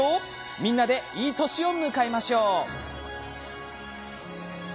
みんなでいい年を迎えましょう。